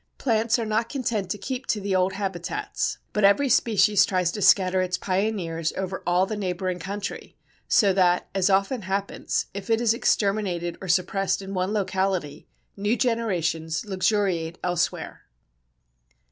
Plants are not content to keep to the old habitats, but every species tries to scatter its pioneers over all the neighbouring country, so that, as often happens, if it is exterminated or suppressed in one locality, new generations luxuriate elsewhere.